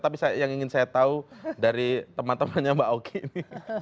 tapi yang ingin saya tahu dari teman temannya mbak oki ini